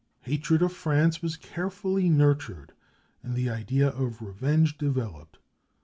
Hatred of France was carefully j nurtured, and the idea of revenge developed.